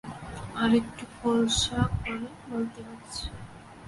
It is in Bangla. আর একটু খোলসা করে বলতে হচ্ছে।